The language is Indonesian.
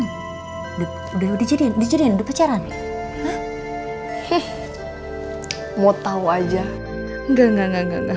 udah udah jadinya di jadinya di pacaran ih mau tahu aja enggak enggak enggak enggak enggak